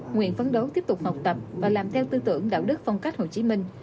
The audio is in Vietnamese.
nguyện phấn đấu tiếp tục học tập và làm theo tư tưởng đạo đức phong cách hồ chí minh